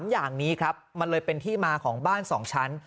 อย่างนี้ครับมันเลยเป็นที่มาของบ้าน๒ชั้น